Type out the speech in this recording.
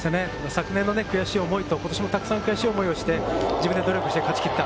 昨年の悔しい思いと今年たくさん悔しい思いをして、努力して自分で勝ちきった。